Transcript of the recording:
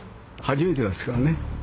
初めてですからね。